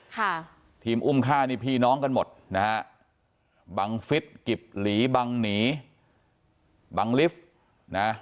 ค่ะทีมอุ้มฆ่านี่พี่น้องกันหมดนะฮะบังฟิศกิบหลีบังหนีบังลิฟต์นะ